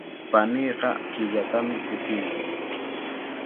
Paniiqa killatami kutimun.